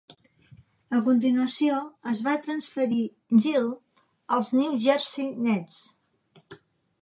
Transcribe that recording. A continuació, es va transferir Gill als New Jersey Nets.